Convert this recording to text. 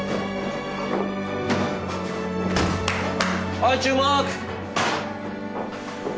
はい注目！